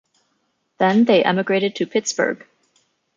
Then they emigrated to Pittsburgh.